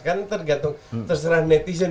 kan tergantung terserah netizen